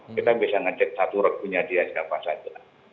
kita bisa ngecek satu regunya dia siapa saja